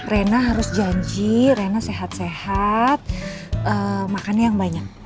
rena harus janji rena sehat sehat makannya yang banyak